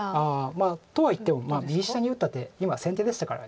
まあとはいっても右下に打った手今先手でしたから。